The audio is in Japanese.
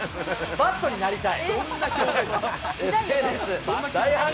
バットになりたい。